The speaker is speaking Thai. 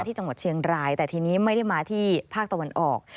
ที่จังหวัดเชียงรายแต่ทีนี้ไม่ได้มาที่ภาคตะวันออก